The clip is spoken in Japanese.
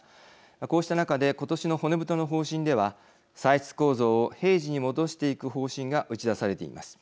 こうした中で今年の骨太の方針では歳出構造を平時に戻していく方針が打ち出されています。